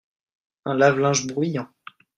un lave-linge bruyant.